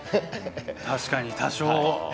確かに多生。